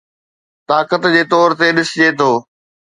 طاقت جي طور تي ڏسجي ٿو